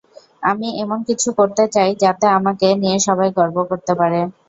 আমি এমন কিছু করতে চাই, যাতে আমাকে নিয়ে সবাই গর্ব করতে পারে।